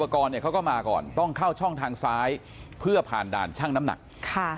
กรเนี่ยเขาก็มาก่อนต้องเข้าช่องทางซ้ายเพื่อผ่านด่านช่างน้ำหนักค่ะ